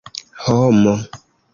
homo